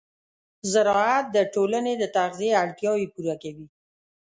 زراعت د ټولنې د تغذیې اړتیاوې پوره کوي.